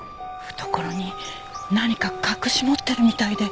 懐に何か隠し持ってるみたいで。